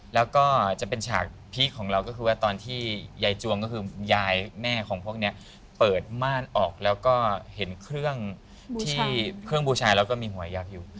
แล้วก็จะเป็นฉากพีคของเราก็คือว่าตอนที่ยายจวงก็คือยายแม่ของพวกนี้เปิดม่านออกแล้วก็เห็นเครื่องที่เครื่องบูชาแล้วก็มีหัวยักษ์อยู่